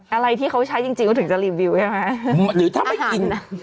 อะไรที่เขาใช้จริงก็ถึงจะรีวิวใช่ไหมอาหารนะ